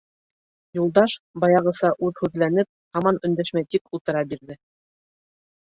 Юлдаш, баяғыса үҙһүҙләнеп, һаман өндәшмәй тик ултыра бирҙе.